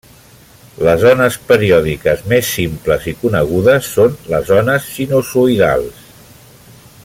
Les ones periòdiques més simples i conegudes són les ones sinusoidals.